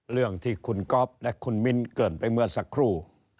เรื่องที่คุณก๊อฟและคุณมิ้นเกินไปเมื่อสักครู่